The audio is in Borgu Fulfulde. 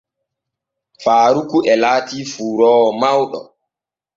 Faaruku e laatii fuuroowo mawɗo.